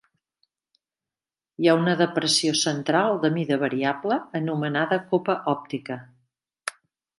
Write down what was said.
Hi ha una depressió central, de mida variable, anomenada copa òptica.